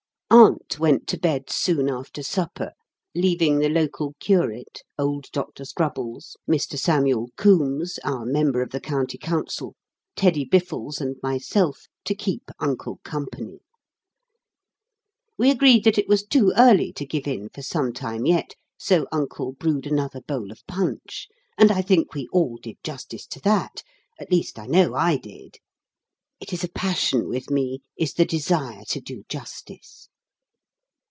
Aunt went to bed soon after supper, leaving the local curate, old Dr. Scrubbles, Mr. Samuel Coombes, our member of the County Council, Teddy Biffles, and myself to keep Uncle company. We agreed that it was too early to give in for some time yet, so Uncle brewed another bowl of punch; and I think we all did justice to that at least I know I did. It is a passion with me, is the desire to do justice.